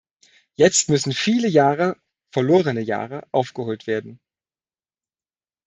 Jetzt müssen viele Jahre, verlorene Jahre, aufgeholt werden.